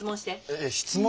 えっ質問？